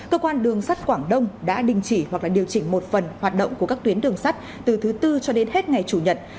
cơ quan đường sắt quảng đông đã đình chỉ hoặc là điều chỉnh một phần hoạt động của các tuyến đường sắt từ thứ tư cho đến hết ngày chủ nhật